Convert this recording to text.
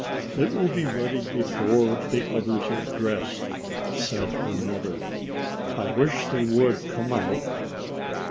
"It will be ready before the others are dressed," said her mother. "I wish they would come out."